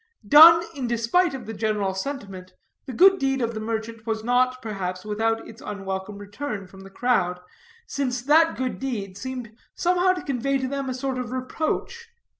Done in despite of the general sentiment, the good deed of the merchant was not, perhaps, without its unwelcome return from the crowd, since that good deed seemed somehow to convey to them a sort of reproach.